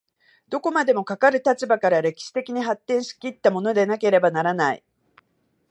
どこまでもかかる立場から歴史的に発展し来ったものでなければならない。